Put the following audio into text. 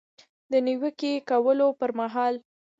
د نیوکې کولو پر مهال